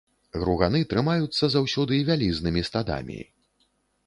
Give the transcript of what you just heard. Груганы трымаюцца заўсёды вялізнымі стадамі.